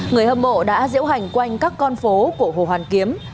người hâm mộ đã diễu hành quanh các con phố của hồ hoàn kiếm